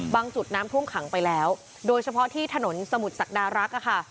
จุดน้ำท่วมขังไปแล้วโดยเฉพาะที่ถนนสมุทรศักดารักษ์ค่ะ